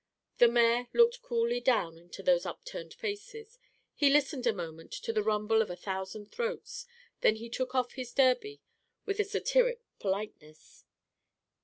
The mayor looked coolly down into those upturned faces, he listened a moment to the rumble of a thousand throats, then he took off his derby with satiric politeness.